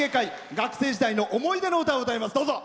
学生時代の思い出の歌を歌います。